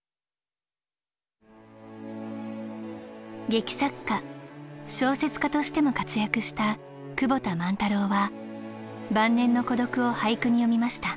劇作家小説家としても活躍した久保田万太郎は晩年の孤独を俳句に詠みました。